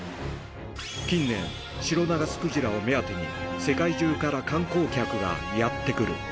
近年、シロナガスクジラを目当てに、世界中から観光客がやって来る。